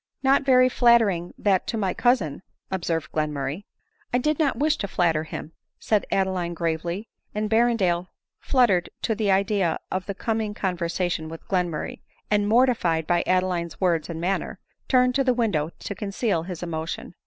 " Not very flattering that to my cousin," observed Glenmurray. " I dicf not wish to flatter him," said Adeline gravely ; and Berrendale, fluttered at the idea of the coming conversation with Glenmurray, and mortified by Adeline's words and manner, turned to the window to conceal his emotion.